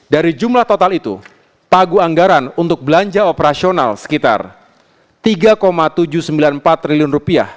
dari jumlah total itu pagu anggaran untuk belanja operasional sekitar rp tiga tujuh ratus sembilan puluh empat triliun